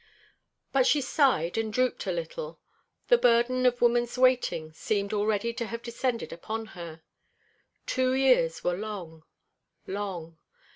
But she sighed and drooped a little. The burden of woman's waiting seemed already to have descended upon her. Two years were long long.